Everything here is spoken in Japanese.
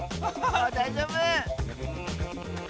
だいじょうぶ！